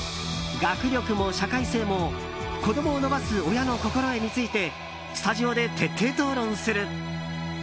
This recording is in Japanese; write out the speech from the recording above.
学力も社会性も子供を伸ばす親の心得についてスタジオで徹底討論する！